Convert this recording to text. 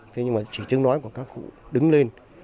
thế nhưng mà chỉ chứng nói của các cụ đứng lên